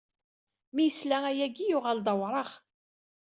Mi yesla ayagi yuɣal d awraɣ.